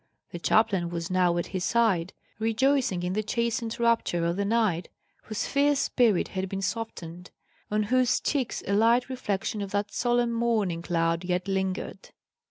The chaplain was now at his side, rejoicing in the chastened rapture of the knight, whose fierce spirit had been softened, on whose cheeks a light reflection of that solemn morning cloud yet lingered.